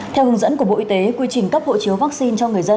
theo hướng dẫn của bộ y tế quy trình cấp hộ chiếu vaccine cho người dân